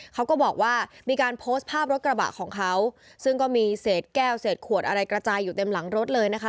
เขาก็บอกว่ามีการโพสต์ภาพรถกระบะของเขาซึ่งก็มีเศษแก้วเศษขวดอะไรกระจายอยู่เต็มหลังรถเลยนะคะ